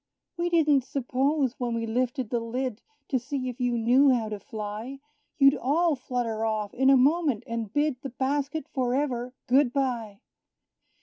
We didn't suppose, when we lifted the lid, To see if you knew how to fly, You'd all flutter off in a moment, and bid The basket for ever good by!